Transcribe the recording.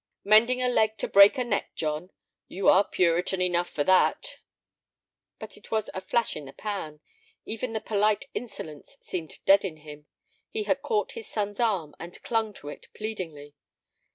"Mending a leg to break a neck, John; you are Puritan enough for that." But it was a flash in the pan. Even the polite insolence seemed dead in him. He had caught his son's arm and clung to it pleadingly.